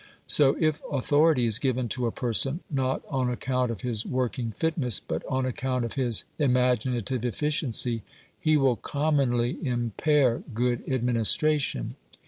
So if authority is given to a person, not on account of his working fitness, but on account of his imaginative efficiency, he will commonly impair good administration.